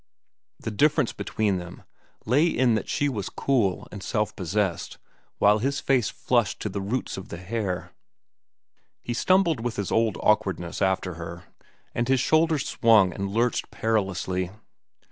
The difference between them lay in that she was cool and self possessed while his face flushed to the roots of the hair. He stumbled with his old awkwardness after her, and his shoulders swung and lurched perilously.